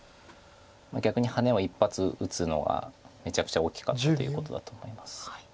逆にハネを一発打つのがめちゃくちゃ大きかったということだと思います。